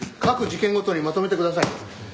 各事件ごとにまとめてください。